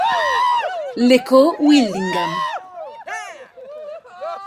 Le'coe Willingham